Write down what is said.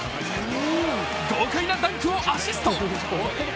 豪快なダンクをアシスト。